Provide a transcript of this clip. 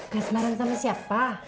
kasmaran sama siapa